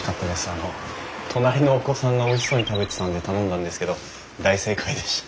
あの隣のお子さんがおいしそうに食べてたので頼んだんですけど大正解でした。